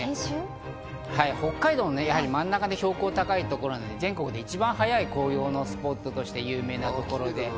北海道の真ん中、標高が高いところ、全国で一番早い紅葉のスポットとして有名なところ。